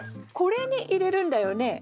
これに入れるんだよね？